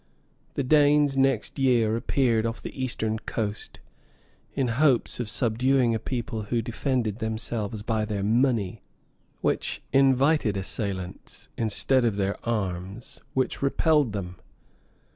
The Danes next year appeared off the eastern coast, in hopes of subduing a people who defended themselves by their money, which invited assailants, instead of their arms, which repelled them.